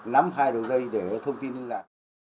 nắm hai đầu dây để thông tin lại